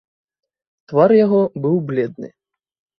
Твар яго быў бледны.